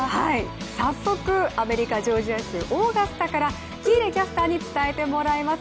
早速アメリカ・ジョージア州オーガスタから、喜入キャスターに伝えてもらいます。